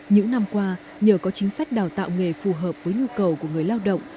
những năm qua nhờ có chính sách đào tạo nghề phù hợp với nhu cầu của người lao động